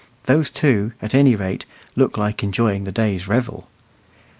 Those two, at any rate, look like enjoying the day's revel.